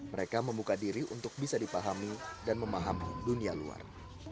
mereka membuka diri untuk bisa dipahami dan memahami dunia luar